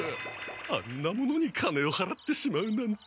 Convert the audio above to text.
あんなものに金をはらってしまうなんて。